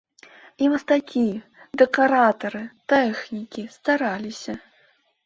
І мастакі, дэкаратары, тэхнікі стараліся.